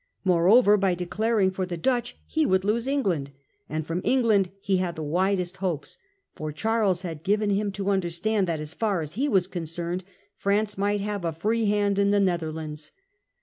Moreover, by declaring for the Dutch he would lose England ; and from England he had the widest hopes, for Charles had given him to understand that, as far as he was concerned, France mighty have a free hand in the Netherlands.